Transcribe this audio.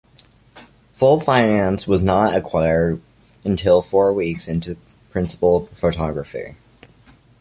Full financing was not acquired until four weeks into principal photography.